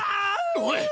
おい！